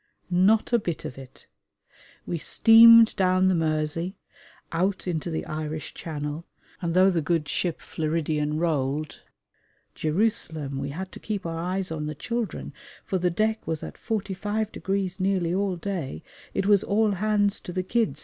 Not a bit of it. We steamed down the Mersey, out into the Irish Channel, and though the good ship Floridian rolled (Jerusalem! we had to keep our eyes on the children, for the deck was at 45° nearly all day: it was "All hands to the kids!"